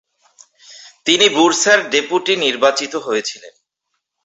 তিনি বুরসার ডেপুটি নির্বাচিত হয়েছিলেন।